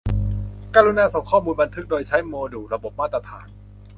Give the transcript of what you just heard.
กรุณาส่งข้อมูลบันทึกโดยใช้โมดูลระบบมาตรฐาน